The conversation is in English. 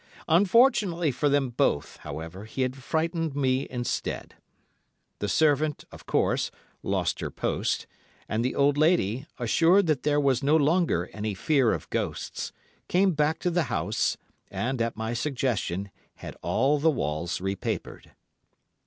Unfortunately for them both, however, he had frightened me instead. The servant, of course, lost her post, and the old lady, assured that there was no longer any fear of ghosts, came back to the house, and, at my suggestion, had all the walls re papered.